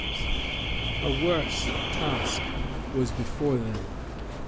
"] A worse task was before them.